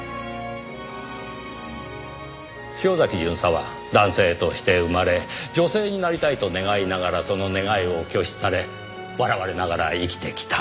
潮崎巡査は男性として生まれ女性になりたいと願いながらその願いを拒否され笑われながら生きてきた。